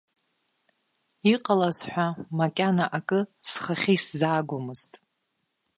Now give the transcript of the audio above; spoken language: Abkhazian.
Иҟалаз ҳәа макьана акы схахьы исзаагомызт.